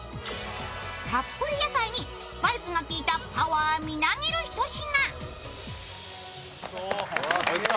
たっぷり野菜にスパイスが効いたパワーみなぎるひと品。